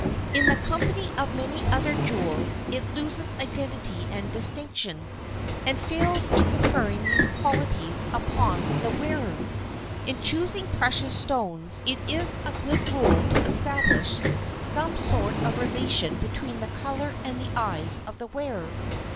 In the company of many other jewels it loses identity and distinction, and fails in conferring these qualities upon the wearer. In choosing precious stones it is a good rule to establish some sort of relation between their color and the eyes of the wearer.